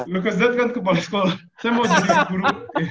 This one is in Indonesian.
lukas z kan kepala sekolah saya mau jadi guru